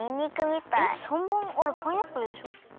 えっ３ばんあれパイナップルでしょ？